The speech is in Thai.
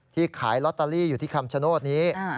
ขายลอตเตอรี่อยู่ที่คำชโนธนี้